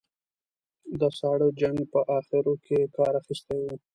د ساړه جنګ په اخرو کې کار اخیستی و.